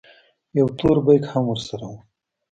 يو تور بېګ هم ورسره و.